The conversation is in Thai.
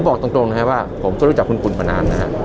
ผมบอกตรงนะครับว่าผมก็รู้จักคุณปุ่นกว่านานนะครับ